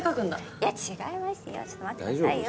いや違いますよ